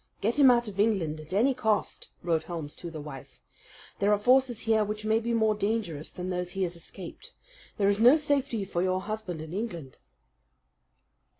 "Get him out of England at any cost," wrote Holmes to the wife. "There are forces here which may be more dangerous than those he has escaped. There is no safety for your husband in England."